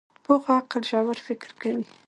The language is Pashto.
پوخ عقل ژور فکر کوي